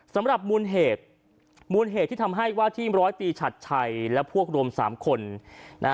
สำหรับมูลเหตุมูลเหตุที่ทำให้ว่าทีมร้อยปีฉัดชัยและพวกรวมสามคนนะฮะ